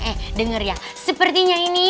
eh denger ya sepertinya ini